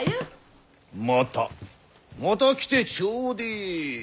またまた来てちょでえ。